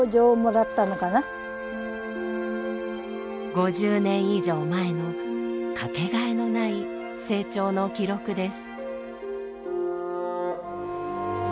５０年以上前の掛けがえのない成長の記録です。